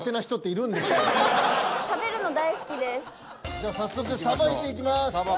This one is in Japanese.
じゃあ早速さばいていきます。